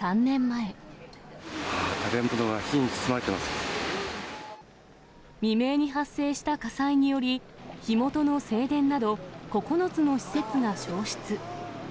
あー、未明に発生した火災により、火元の正殿など、９つの施設が焼失。